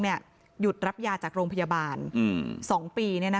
หยุดรับยาจากโรงพยาบาล๒ปี